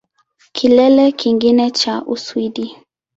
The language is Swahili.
Kilele kingine cha Uswidi